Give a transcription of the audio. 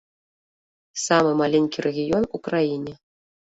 Самы маленькі рэгіён у краіне.